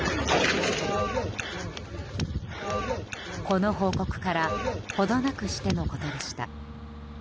この報告から程なくしてのことでした。